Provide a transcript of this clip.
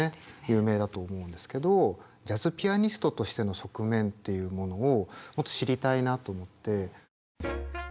有名だと思うんですけどジャズピアニストとしての側面というものをもっと知りたいなと思って。